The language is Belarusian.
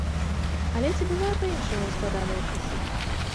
Але ці бывае па-іншаму ў складаныя часы?